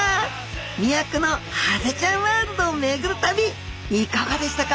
魅惑のハゼちゃんワールドを巡る旅いかがでしたか？